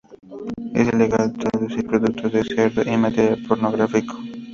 Es ilegal introducir productos de cerdo y material pornográfico.